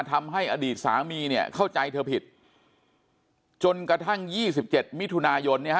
ทำให้อดีตสามีเนี่ยเข้าใจเธอผิดจนกระทั่ง๒๗มิถุนายนเนี่ยฮ